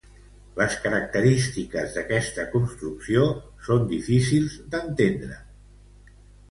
Les característiques d'aquesta construcció són difícils d'entendre.